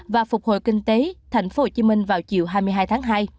và phục hồi kinh tế thành phố hồ chí minh vào chiều hai mươi hai tháng hai